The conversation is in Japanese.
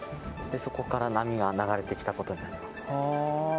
そこから波が流れてきたことになります。